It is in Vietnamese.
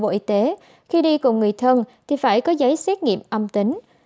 bộ y tế khi đi cùng người thân thì phải có giấy xét nghiệm âm tính